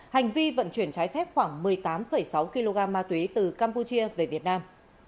hành vi vận chuyển trái phép khoảng một mươi tám sáu kg ma túy từ campuchia về việt nam